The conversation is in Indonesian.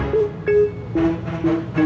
kita bisa menunggu lagi